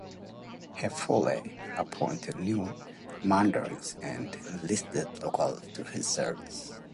Hautefeuille appointed new mandarins and enlisted locals to his service.